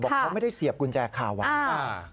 เขาไม่ได้เสียบกุญแจคาไว้